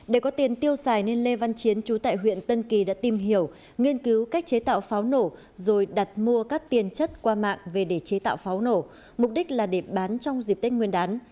để có tiền tiêu xài nên lê văn chiến chú tại huyện tân kỳ đã tìm hiểu nghiên cứu cách chế tạo pháo nổ rồi đặt mua các tiền chất qua mạng về để chế tạo pháo nổ mục đích là để bán trong dịp tết nguyên đán